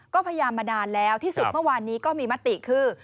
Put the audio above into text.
ก็พยายามมานานแล้วที่สุดเมื่อวานนี้ก็มีมติคือ